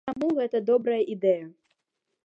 І таму гэта добрая ідэя.